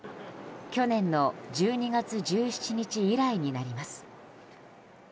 去年の１２月１７日以来になります。